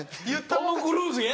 「トム・クルーズや！」